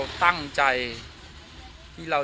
วันนี้ก็จะเป็นสวัสดีครับ